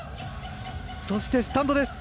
そして、スタンドです。